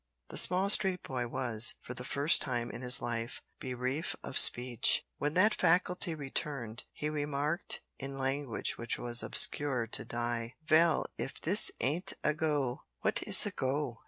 The small street boy was, for the first time in his life, bereft of speech! When that faculty returned, he remarked in language which was obscure to Di: "Vell, if this ain't a go!" "What is a go?"